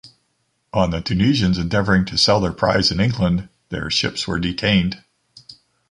On the Tunisians endeavouring to sell their prize in England, their ships were detained.